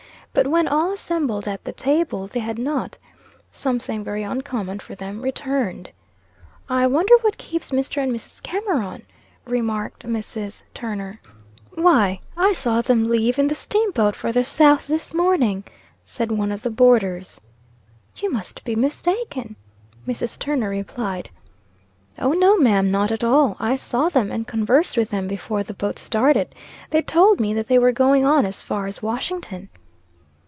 But when all assembled at the table, they had not (something very uncommon for them) returned. "I wonder what keeps Mr. and Mrs. Cameron?" remarked Mrs. Turner. "Why, I saw them leave in the steamboat for the South, this morning," said one of the boarders. "You must be mistaken," Mrs. Turner replied. "O no, ma'am, not at all. I saw them, and conversed with them before the boat started. They told me that they were going on as far as Washington."